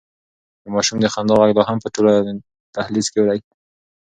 د ماشوم د خندا غږ لا هم په ټول دهلېز کې دی.